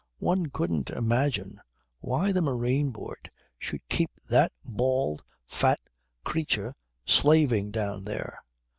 One couldn't imagine why the Marine Board should keep that bald, fat creature slaving down there.